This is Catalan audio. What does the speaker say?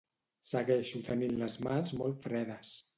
Segueixo tenint les mans molt fredes